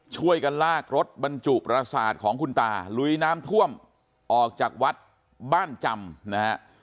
ช่วยกันลากรถบรรจุประสาทของคุณตาลุยน้ำท่วมออกจากวัดบ้านจำนะฮะ